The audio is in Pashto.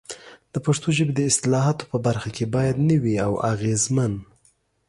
د پښتو ژبې د اصطلاحاتو په برخه کې باید نوي او اغېزمن